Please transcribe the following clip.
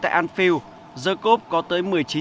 tại anfield the coupe có tới